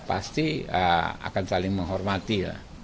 pasti akan saling menghormati ya